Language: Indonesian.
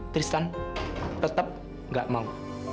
tristan tetep ga mau